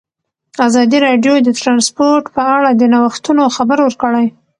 ازادي راډیو د ترانسپورټ په اړه د نوښتونو خبر ورکړی.